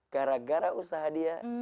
gara gara usaha dia